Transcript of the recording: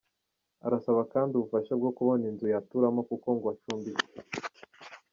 Arasaba kandi ubufasha bwo kubona inzu yaturamo kuko ngo acumbitse.